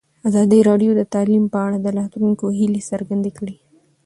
ازادي راډیو د تعلیم په اړه د راتلونکي هیلې څرګندې کړې.